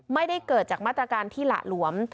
ไม่ได้เกิดจากมาตรการที่หละหลวม